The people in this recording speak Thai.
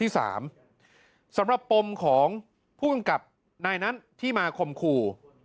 สำหรับปมของผู้กำกับนายนั้นที่มาคมขู่